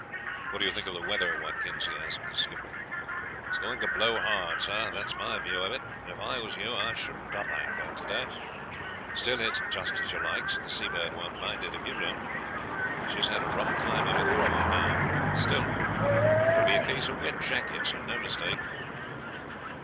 "What do you think of the weather, Watkins?" he asked his skipper. "It's going to blow hard, sir; that's my view of it, and if I was you I shouldn't up anchor today. Still, it's just as you likes; the Seabird won't mind it if we don't. She has had a rough time of it before now; still, it will be a case of wet jackets, and no mistake."